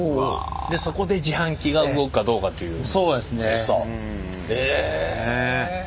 そこで自販機が動くかどうかというテスト。